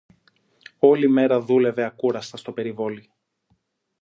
Όλη μέρα δούλευε ακούραστα στο περιβόλι